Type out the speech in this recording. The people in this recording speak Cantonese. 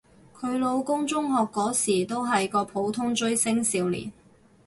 佢老公中學嗰時都係個普通追星少年